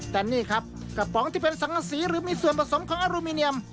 แต่นี่ครับกระป๋องที่เป็นสังกษีหรือมีส่วนผสมของอลูมิเนียม